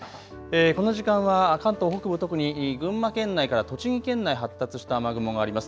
この時間は関東北部、特に群馬県内から栃木県内、発達した雨雲があります。